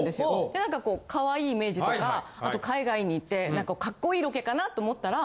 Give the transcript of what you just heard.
で何かこう可愛いイメージとかあと海外にいてかっこいいロケかなと思ったら。